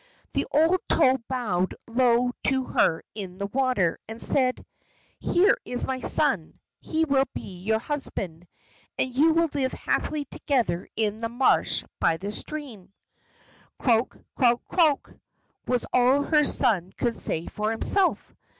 The old toad bowed low to her in the water, and said: "Here is my son. He will be your husband, and you will live happily together in the marsh by the stream." "Croak, croak, croak," was all her son could say for himself.